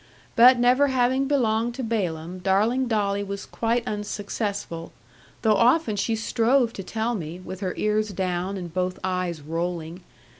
But never having belonged to Balaam, darling Dolly was quite unsuccessful, though often she strove to tell me, with her ears down, and both eyes rolling.